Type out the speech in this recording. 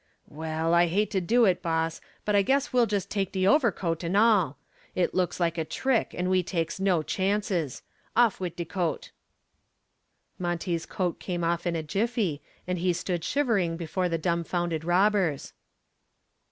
"Well, I hate to do it, boss, but I guess we'll just take de overcoat and all. It looks like a trick and we takes no chances. Off wid de coat." Monty's coat came off in a jiffy and he stood shivering before the dumfounded robbers.